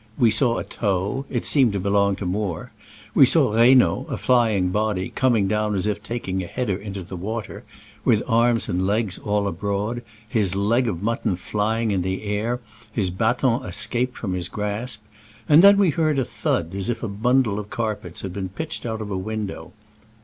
We saw a toe — it seemed to belong to Moore ; we saw Reynaud, a flying body, coming down as if taking a header into water, with arms and legs all abroad, his leg of mutton flying in the air, his baton escaped from his grasp ; and then we heard a thud as if a bundle of car pets had been pitched out of a window.